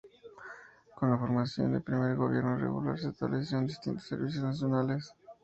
Con la formación del primer Gobierno Regular se establecieron distintos Servicios Nacionales.